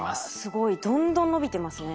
どんどん伸びてますね。